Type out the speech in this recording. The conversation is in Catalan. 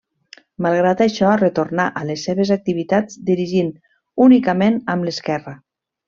Malgrat això, retornà a les seves activitats dirigint únicament amb l'esquerra.